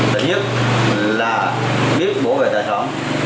thứ nhất là biết bỏ vệ hải sản